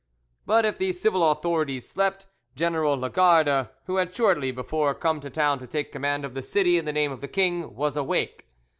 But if the civil authorities slept, General Lagarde, who had shortly before come to town to take command of the city in the name of the king, was awake.